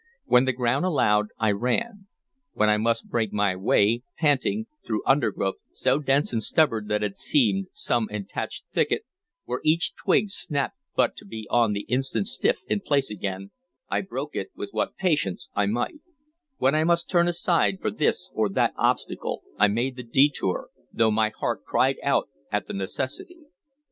When the ground allowed I ran; when I must break my way, panting, through undergrowth so dense and stubborn that it seemed some enchanted thicket, where each twig snapped but to be on the instant stiff in place again, I broke it with what patience I might; when I must turn aside for this or that obstacle I made the detour, though my heart cried out at the necessity.